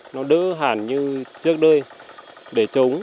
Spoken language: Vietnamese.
nó đỡ hẳn như trước đây để trống